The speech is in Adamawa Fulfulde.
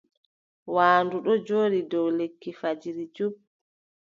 Waandu ɗo jooɗi dow lekki fajiri cup.